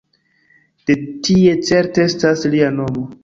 De tie certe estas lia nomo.